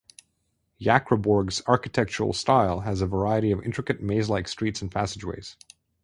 Jakriborg's architectural style has a variety of intricate maze-like streets and passageways.